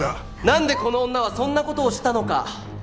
なんでこの女はそんな事をしたのか？